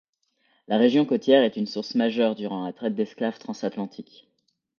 La région côtière est une source majeure durant la traite d'esclaves transatlantique.